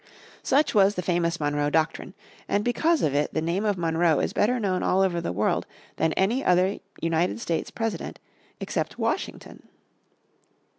Such was the famous Monroe Doctrine, and because of it the name of Monroe is better known all over the world than any other United States President except Washington.